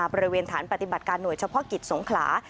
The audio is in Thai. บริเวณฐานปฏิบัติการหน่วยเฉพาะกิจสงขลา